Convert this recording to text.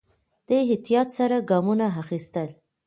دی احتیاط سره ګامونه اخيستل.